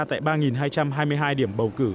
tại ba hai trăm hai mươi hai điểm bầu cử